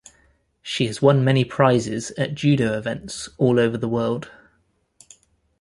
She has won many prizes at Judo events all over the world.